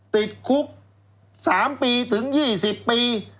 ติดคุก๓ปีถึง๒๐ปี